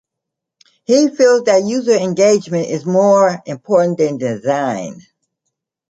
He feels that user engagement is more important than design.